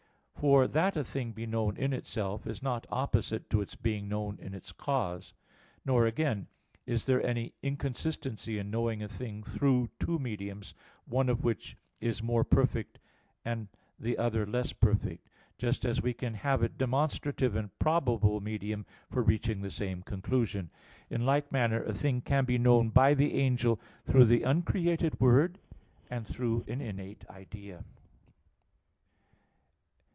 For that a thing be known in itself, is not opposite to its being known in its cause. Nor, again, is there any inconsistency in knowing a thing through two mediums, one of which is more perfect and the other less perfect; just as we can have a demonstrative and a probable medium for reaching the same conclusion. In like manner a thing can be known by the angel through the uncreated Word, and through an innate idea.